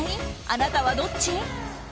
あなたはどっち？